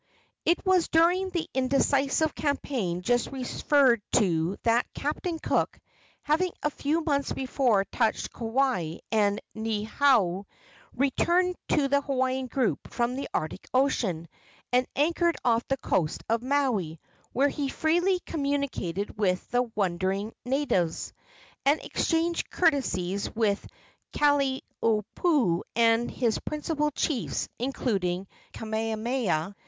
It was during the indecisive campaign just referred to that Captain Cook having a few months before touched at Kauai and Niihau returned to the Hawaiian group from the Arctic Ocean, and anchored off the coast of Maui, where he freely communicated with the wondering natives, and exchanged courtesies with Kalaniopuu and his principal chiefs, including Kamehameha.